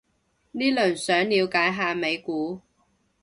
呢輪想了解下美股